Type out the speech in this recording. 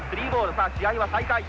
さあ試合は再開。